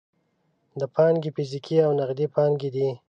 دا پانګې فزیکي او نغدي پانګې دي.